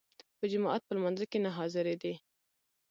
په جماعت په لمانځه کې نه حاضرېدی.